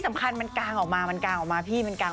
สำคัญว่ามันกางออกมาค่ะ